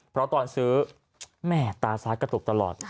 เพราะตอนซื้อแม่ตาซ้ายกระตุกตลอด